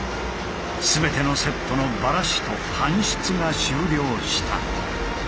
全てのセットのバラしと搬出が終了した。